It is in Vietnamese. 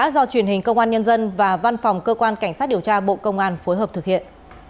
cơ quan nhân dân và văn phòng cơ quan cảnh sát điều tra bộ công an phối hợp thực hiện